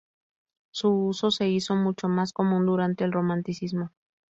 Su uso se hizo mucho más común durante el Romanticismo.